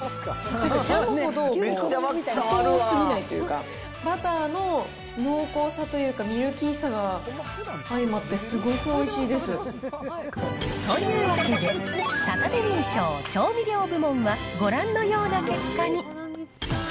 ジャムほど砂糖すぎないというか、バターの濃厚さというか、ミルキーさが相まって、すごくおいしいです。というわけで、サタデミー賞調味料部門は、ご覧のような結果に。